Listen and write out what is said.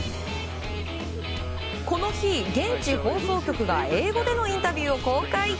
この日、現地放送局が英語でのインタビューを公開。